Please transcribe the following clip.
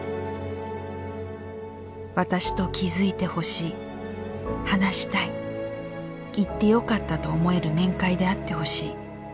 「私と気づいてほしい話したい行ってよかったと思える面会であってほしい。